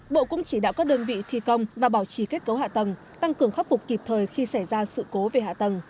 bộ cũng chỉ đạo các đơn vị thi công và bảo trì kết cấu hạ tầng tăng cường khắc phục kịp thời khi xảy ra sự cố về hạ tầng